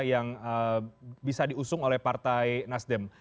yang bisa diusung oleh partai nasdem